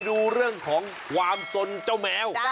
ดูเรื่องของความสนเจ้าแมว